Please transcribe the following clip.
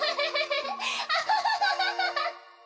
アハハハハハ！